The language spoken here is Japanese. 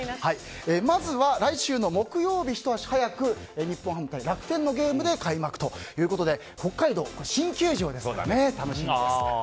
まずは、来週の木曜日ひと足早く日本ハム対楽天のゲームで開幕ということで北海道、新球場ですから楽しみです。